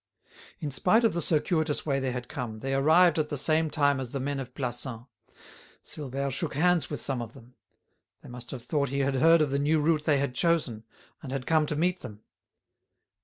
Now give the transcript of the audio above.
In spite of the circuitous way they had come, they arrived at the same time as the men of Plassans. Silvère shook hands with some of them. They must have thought he had heard of the new route they had chosen, and had come to meet them.